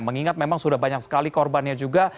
mengingat memang sudah banyak sekali korbannya juga